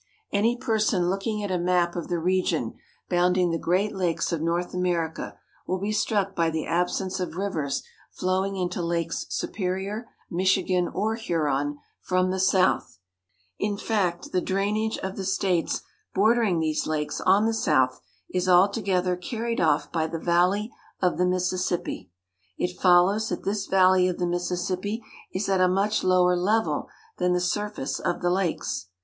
Any person looking at a map of the region bounding the great lakes of North America will be struck by the absence of rivers flowing into Lakes Superior, Michigan, or Huron, from the south in fact, the drainage of the States bordering these lakes on the south is altogether carried off by the valley of the Mississippi. It follows that this valley of the Mississippi is at a much lower level than the surface of the lakes.